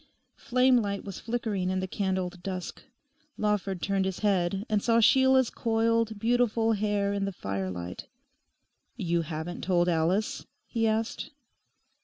Flamelight was flickering in the candled dusk. Lawford turned his head and saw Sheila's coiled, beautiful hair in the firelight. 'You haven't told Alice?' he asked.